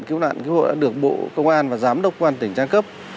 cứu nạn cứu hộ đã được bộ công an và giám đốc công an tỉnh trang cấp